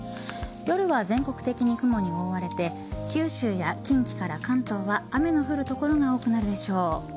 夜は全国的に雲に覆われて九州や近畿から関東は雨の降る所が多くなるでしょう。